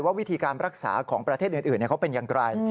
วิธีการรักษาของประเทศอื่นเขาเป็นอย่างไร